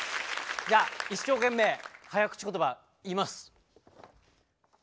じゃあ一生懸命早口言葉言います。